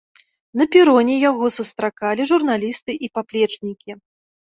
На пероне яго сустракалі журналісты і паплечнікі.